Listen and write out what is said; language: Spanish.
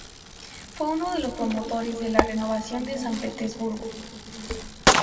Fue uno de los promotores de la renovación de San Petersburgo.